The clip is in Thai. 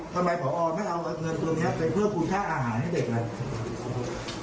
จะพวกเขาเอาเงินตัวนี้ไปเพื่อยูชาอาหารให้เด็กกัน